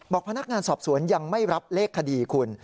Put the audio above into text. พนักงานสอบสวนยังไม่รับเลขคดีคุณ